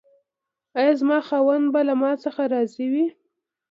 ایا زما خاوند به له ما څخه راضي وي؟